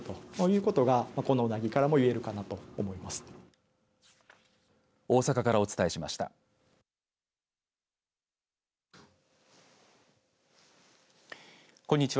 こんにちは。